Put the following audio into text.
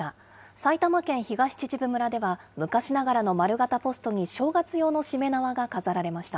埼玉県東秩父村では、昔ながらの丸型ポストに正月用のしめ縄が飾られました。